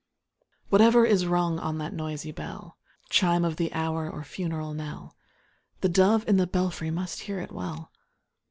Whatever is rung on that noisy bell — Chime of the hour or funeral knell — The dove in the belfry must hear it well.